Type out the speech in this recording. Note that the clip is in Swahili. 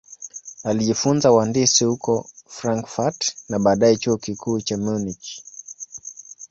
Alijifunza uhandisi huko Frankfurt na baadaye Chuo Kikuu cha Munich.